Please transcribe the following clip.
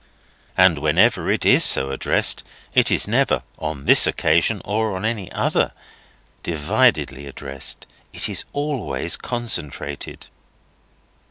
And whenever it is so addressed, it is never, on this occasion or on any other, dividedly addressed; it is always concentrated.